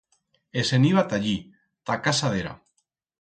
E se'n iba ta allí, ta casa d'era.